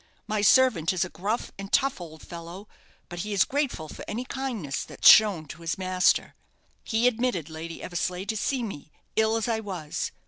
My servant is a gruff and tough old fellow, but he is grateful for any kindness that's shown to his master. He admitted Lady Eversleigh to see me, ill as I was.